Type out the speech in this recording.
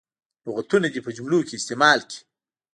لغتونه دې په جملو کې استعمال کړي.